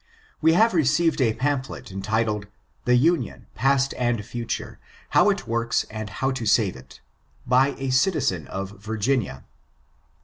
— We have received a pamphlet entitled, 'The Union, Past and Future — How it Works, and how to Save it By a Citizen of Virginia.'